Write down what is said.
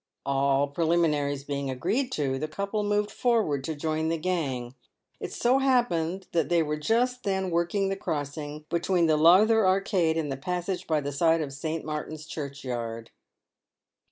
All preliminaries being agreed to, the couple moved forward to join the gang. It so happened that they were just then working the crossing between the Lowther arcade and the passage by the side of St. Martin's churchyard.